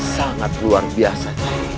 sangat luar biasa